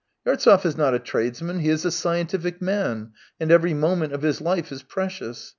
Yartsev is not a tradesman; he is a scientific man, and every moment of his life is precious.